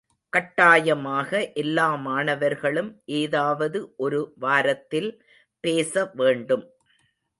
கட்டாயமாக எல்லா மாணவர்களும் ஏதாவது ஒரு வாரத்தில் பேச வேண்டும்.